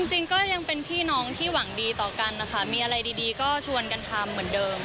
จริงก็ยังเป็นพี่น้องที่หวังดีต่อกันนะคะมีอะไรดีก็ชวนกันทำเหมือนเดิม